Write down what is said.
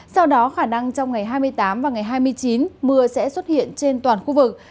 sau đó khả năng trong ngày hai mươi tám và ngày hai mươi chín mưa sẽ xuất hiện trên toàn khu vực